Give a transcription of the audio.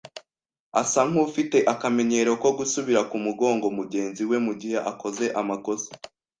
Asa nkufite akamenyero ko gusubira kumugongo mugenzi we mugihe akoze amakosa